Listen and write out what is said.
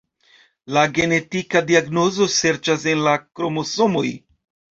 La genetika diagnozo serĉas en la kromosomoj.